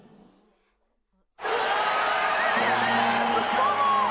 どどうも。